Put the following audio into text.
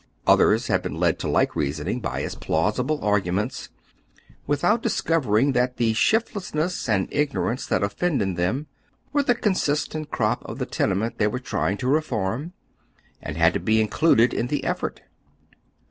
Others have beea led to like reasoning by as plausible argainents, with out discovering that the sliiftlessness and ignorance tliat offended them were the consistent crop of the tenement they were trying to refoi m, and had to be included in the effort.